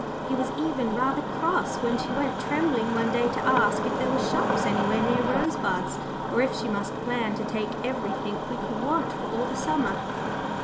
He was even rather cross when she went trembling one day to ask if there were shops anywhere near Rosebuds, or if she must plan to take everything we could want for all the summer.